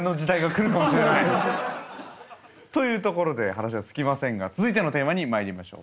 というところで話は尽きませんが続いてのテーマにまいりましょう。